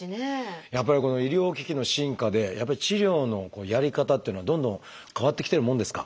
やっぱり医療機器の進化で治療のやり方っていうのはどんどん変わってきてるもんですか？